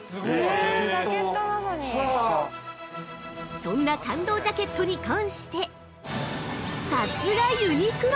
◆そんな感動ジャケットに関して「さすがユニクロ！